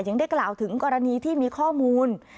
ยังได้กล่าวถึงกรณีที่มีข้อมูล